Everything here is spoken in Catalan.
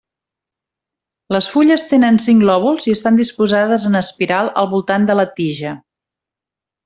Les fulles tenen cinc lòbuls i estan disposades en espiral al voltant de la tija.